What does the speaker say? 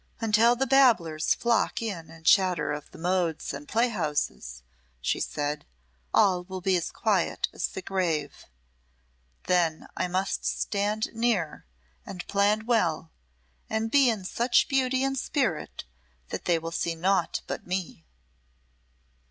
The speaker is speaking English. "Until the babblers flock in to chatter of the modes and playhouses," she said, "all will be as quiet as the grave. Then I must stand near, and plan well, and be in such beauty and spirit that they will see naught but me."